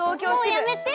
もうやめて！